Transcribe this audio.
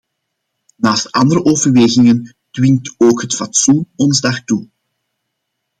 Naast andere overwegingen dwingt ook het fatsoen ons daartoe.